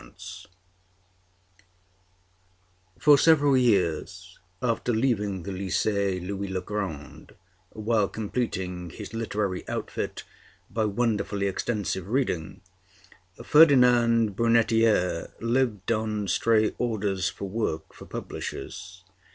[Illustration: Ferdiand Brunetière] For several years after leaving the Lycée Louis le Grand, while completing his literary outfit by wonderfully extensive reading, Ferdinand Brunetière lived on stray orders for work for publishers.